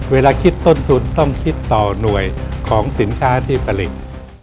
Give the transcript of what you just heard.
เวลาคิดต้นทุนต้องคิดต่อหน่วยของสินค้าที่ผลิต